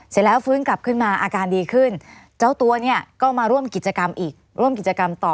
เสร็จแล้วฟื้นกลับขึ้นมาอาการดีขึ้นเจ้าตัวเนี่ยก็มาร่วมกิจกรรมอีกร่วมกิจกรรมต่อ